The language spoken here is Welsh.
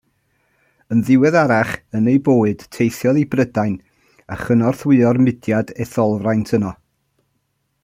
Yn ddiweddarach yn ei bywyd, teithiodd i Brydain a chynorthwyo'r mudiad etholfraint yno.